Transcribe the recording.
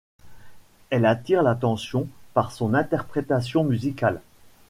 Elle attire l'attention par son interprétation musicale.